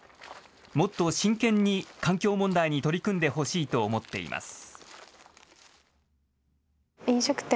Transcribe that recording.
もっと真剣に環境問題に取り組んでほしいと思っています。